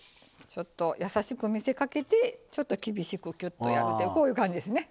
ちょっと優しく見せかけてちょっと厳しくきゅっとやるってこういう感じですね。